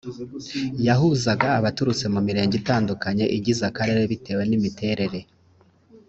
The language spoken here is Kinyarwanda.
yahuzaga abaturutse mu mirenge itandukanye igize akarere bitewe n imiterere